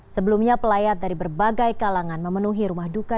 sebelumnya pelayat dari berbagai kalangan memenuhi rumah duka